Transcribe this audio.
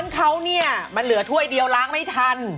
เดี๋ยวถ้วยเดียวล้างไม่ทัน